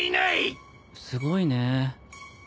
すごいね。